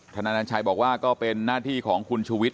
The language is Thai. ธนันทรายบอกว่าก็เป็นหน้าที่ของคุณชุวิต